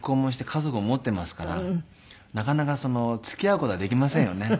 家族も持っていますからなかなか付き合う事ができませんよね。